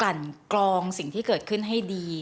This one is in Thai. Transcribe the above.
กันกรองสิ่งที่เกิดขึ้นให้ดี